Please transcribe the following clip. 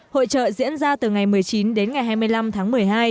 hội trợ diễn ra từ ngày một mươi chín đến ngày hai mươi năm tháng một mươi hai